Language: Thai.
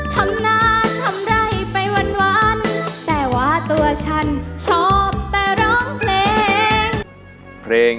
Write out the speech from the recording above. ทำงานทำไร่ไปวันแต่ว่าตัวฉันชอบแต่ร้องเพลงเพลง